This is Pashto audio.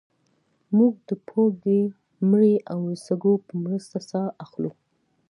موږ د پوزې مرۍ او سږو په مرسته ساه اخلو